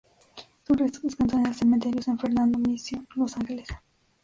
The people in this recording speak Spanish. Sus restos descansan en el cementerio San Fernando Mission, Los Ángeles.